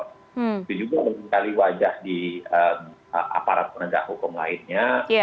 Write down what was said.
itu juga mungkin sekali wajah di aparat penerja hukum lainnya